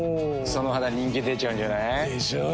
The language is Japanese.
その肌人気出ちゃうんじゃない？でしょう。